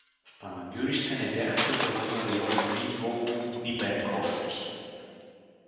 В Панагюрище не бяха се завърнали още ни Волов, ни Бенковски.